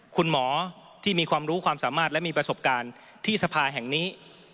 คุณหมอที่มีความรู้ความสามารถและมีประสบการณ์ที่สภาแห่งนี้